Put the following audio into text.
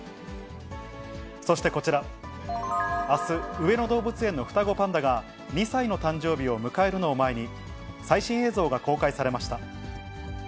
そしてこちら、あす、上野動物園の双子パンダが２歳の誕生日を迎えるのを前に、最新映像が公開されました。